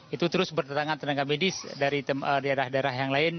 itu terus bertetangan tenaga medis dari daerah daerah yang lain